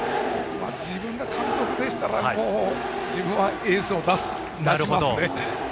自分が監督でしたら自分はエース出しますね。